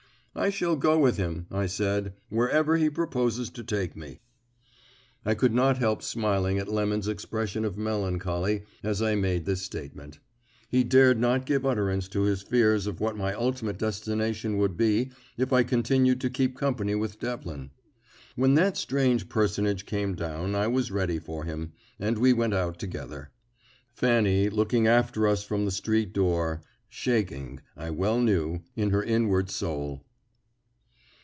"I shall go with him," I said, "wherever he proposes to take me." I could not help smiling at Lemon's expression of melancholy as I made this statement. He dared not give utterance to his fears of what my ultimate destination would be if I continued to keep company with Devlin. When that strange personage came down I was ready for him, and we went out together, Fanny looking after us from the street door, shaking, I well knew, in her inward soul.